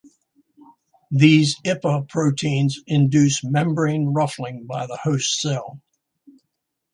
These ipa proteins induce "membrane ruffling" by the host cell.